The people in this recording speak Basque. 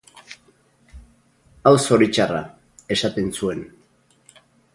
Hau zoritxarra!, esaten zuen.